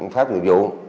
pháp dụ dụ